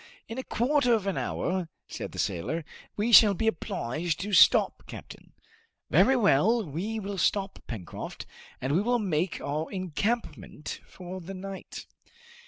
"In a quarter of an hour," said the sailor, "we shall be obliged to stop, captain." "Very well, we will stop, Pencroft, and we will make our encampment for the night."